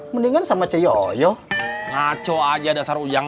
bener kan hubungan saya